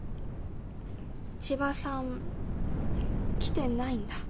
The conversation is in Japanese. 千葉さん来てないんだ。